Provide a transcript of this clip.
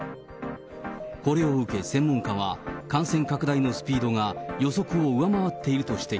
これを受け専門家は、感染拡大のスピードが予測を上回っていると指摘。